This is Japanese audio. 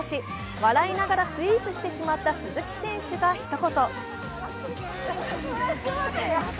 笑いながらスイープしてしまった鈴木選手がひと言。